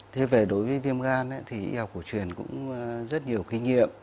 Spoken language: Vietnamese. thế về đối với viêm gan thì y học cổ truyền cũng rất nhiều kinh nghiệm